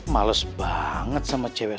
males banget sama cewek